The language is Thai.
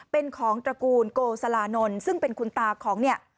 เป็นของตระกูลโกสลานนท์ซึ่งเป็นคุณตาของเนี่ย